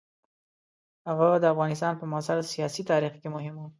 هغه د افغانستان په معاصر سیاسي تاریخ کې مهم وو.